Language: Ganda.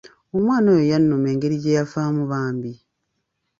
Omwana oyo yannuma engeri gye yafaamu bambi.